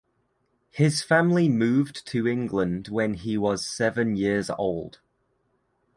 His family moved to England when he was seven years old.